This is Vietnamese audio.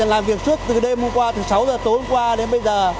làm việc suốt từ đêm hôm qua từ sáu h tối hôm qua đến bây giờ